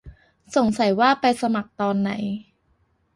สงสัยว่าไปสมัครตอนไหน